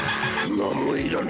光もいらぬ。